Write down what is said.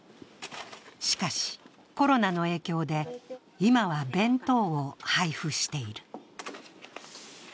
しかしコロナの影響で、今は弁当を配布している。